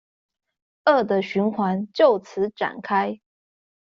惡的循環就此展開